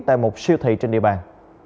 tại một siêu thị trên địa bàn